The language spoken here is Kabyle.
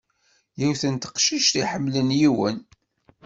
Yiwet n teqcict iḥemmlen yiwen.